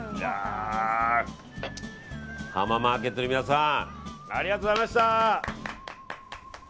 浜マーケットの皆さんありがとうございました！